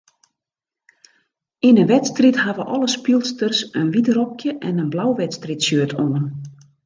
Yn 'e wedstriid hawwe alle spylsters in wyt rokje en in blau wedstriidshirt oan.